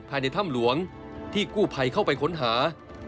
ภายในถ้ำหลวงที่กู้ภัยเข้าไปค้นหา